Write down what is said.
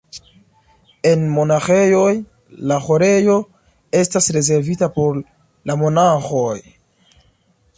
En monaĥejoj la ĥorejo estas rezervita por la monaĥoj.